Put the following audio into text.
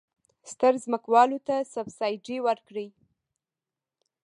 ستر ځمکوالو ته سبسایډي ورکړي.